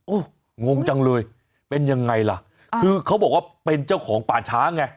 โอ้โหงงจังเลยเป็นยังไงล่ะคือเขาบอกว่าเป็นเจ้าของป่าช้าไง